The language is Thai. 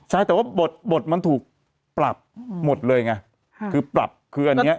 ใช่แต่ว่าบทบทมันถูกปรับหมดเลยไงคือปรับคืออันเนี้ย